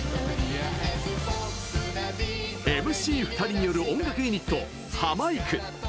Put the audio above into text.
ＭＣ２人による音楽ユニット、ハマいく。